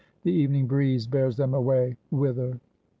The evening breeze bears them away: whither?